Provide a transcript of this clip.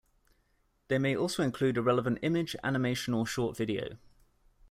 They may also include a relevant image, animation or short video.